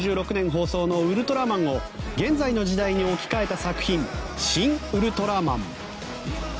放送の「ウルトラマン」を現在の時代に置き換えた作品「シン・ウルトラマン」。